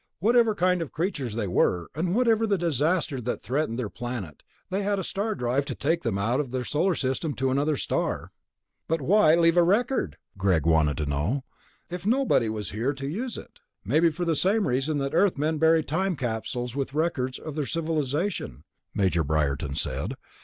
"Whatever kind of creatures they were, and whatever the disaster that threatened their planet, they had a star drive to take them out of the Solar System to another star." "But why leave a record?" Greg wanted to know. "If nobody was here to use it...." "Maybe for the same reason that Earthmen bury time capsules with records of their civilization," Major Briarton said.